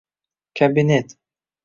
Кabinet